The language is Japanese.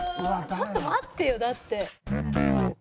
ちょっと待ってよだって。